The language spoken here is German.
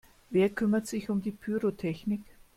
Wer kümmert sich um die Pyrotechnik?